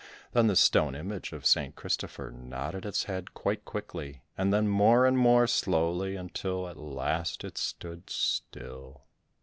Then the stone image of St. Christopher nodded its head quite quickly, and then more and more slowly till at last it stood still.